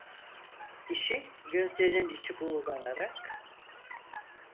Dişi, gözlerinin içi buğulanarak: